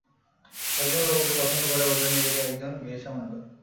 কয়েকজন লোক ওকে পছন্দ করে বলে নিজেকে একজন গেইশা মনে করে!